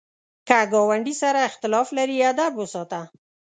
که ګاونډي سره اختلاف لرې، ادب وساته